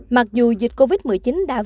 mặc dù dịch covid một mươi chín đã phân biệt